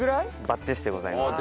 バッチシでございます。